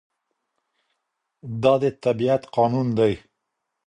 دا د طبيعت قانون دی.